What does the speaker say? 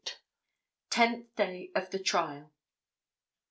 Tenth Day of the Trial.